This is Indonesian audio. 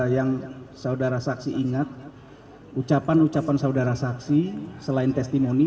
yang saudara saksi ingat ucapan ucapan saudara saksi selain testimoni